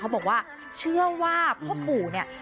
บอกว่าเชื่อว่าพ่อปู่เนี่ย